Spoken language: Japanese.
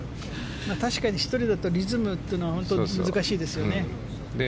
１人だとリズムというのは難しいですよね。